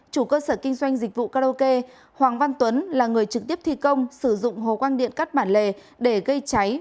chủ cơ sở kinh doanh dịch vụ karaoke hoàng văn tuấn là người trực tiếp thi công sử dụng hồ quang điện cắt bản lề để gây cháy